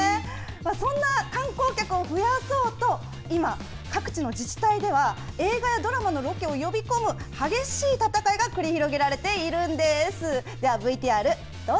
そんな観光客を増やそうと今、各地の自治体では映画やドラマのロケを呼び込む激しい戦いが繰り広げられているんです。